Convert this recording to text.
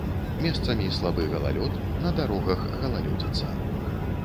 Месцамі слабы галалёд, на дарогах галалёдзіца.